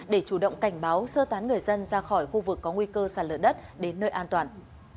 để chủ động cảnh báo sơ tán người dân ra khỏi khu vực có nguy cơ sạt lở đất đến nơi an toàn